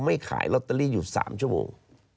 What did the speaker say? ขายลอตเตอรี่อยู่๓ชั่วโมง